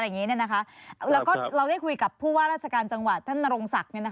แล้วก็เราได้คุยกับผู้ว่าราชการจังหวัดท่านนรงศักดิ์